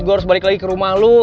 gue harus balik lagi ke rumah lo